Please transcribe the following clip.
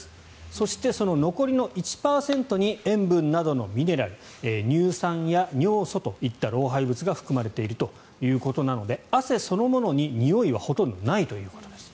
そして、その残りの１％に塩分などのミネラル乳酸や尿素といった老廃物が含まれているということなので汗そのものに、においはほとんどないということです。